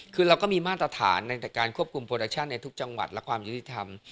คือเราก็มีมาตรฐานในการควบคุมโปรดักชั่นในทุกจังหวัดและความยุติธรรม